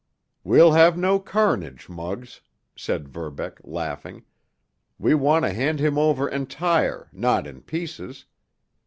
"We'll have no carnage, Muggs," said Verbeck, laughing. "We want to hand him over entire, not in pieces.